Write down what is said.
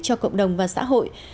cho cộng đồng và xã hội